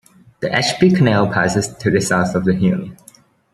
The Ashby Canal passes to the south of the hill.